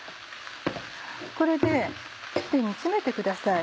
これで煮詰めてください。